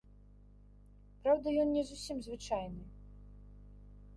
Праўда, ён не зусім звычайны.